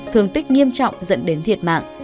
thương tích nghiêm trọng dẫn đến thiệt mạng